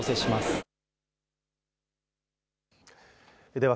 では